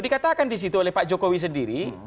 dikatakan disitu oleh pak jokowi sendiri